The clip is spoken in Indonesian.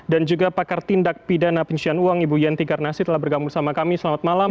dan juga pakar tindak pidana penyusian uang ibu yanti garnasi telah bergabung sama kami selamat malam